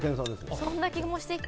そんな気もしてきた。